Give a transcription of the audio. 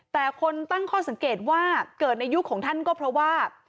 แต่คนตั้งข้อสังเกตว่าเกิดในยุคของท่านก็เพราะว่า